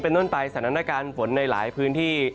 เป็นต้นไปสันดาณการฝนในหลายพื้นที่